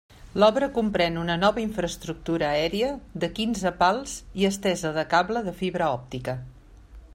L'obra comprèn una nova infraestructura aèria de quinze pals i estesa de cable de fibra òptica.